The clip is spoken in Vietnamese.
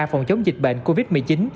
phòng chống dịch bệnh covid một mươi chín